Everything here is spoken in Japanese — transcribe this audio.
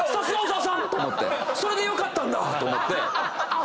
それでよかったんだ！と思って。